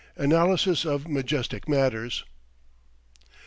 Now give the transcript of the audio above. ANALYSIS OF MAJESTIC MATTERS.